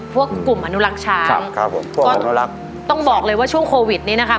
พวกกลุ่มอนุรักษ์ช้างก็ต้องบอกเลยว่าช่วงโควิดนี้นะคะ